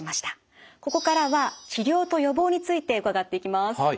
ここからは治療と予防について伺っていきます。